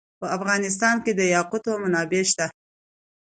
په افغانستان کې د یاقوت منابع شته.